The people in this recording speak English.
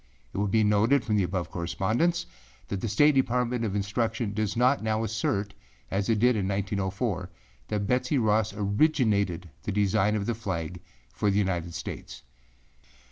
It will be noted from the above correspondence that the State Department of Public Instruction does not now assert, as it did in 1904, that Betsey Ross originated the design of the flag for the United States.